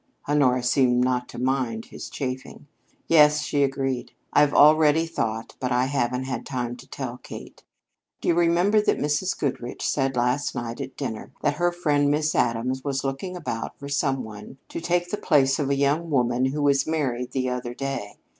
Honora seemed not to mind his chaffing. "Yes," she agreed, "I've already thought, but I haven't had time to tell Kate. Do you remember that Mrs. Goodrich said last night at dinner that her friend Miss Addams was looking about for some one to take the place of a young woman who was married the other day?